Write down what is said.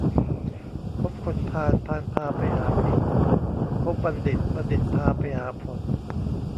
คบคนพาลพาลพาไปหาผิด คบบัณฑิตบัณฑิตพาไปหาผล